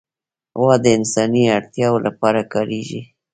غوا د انساني اړتیاوو لپاره کارېږي.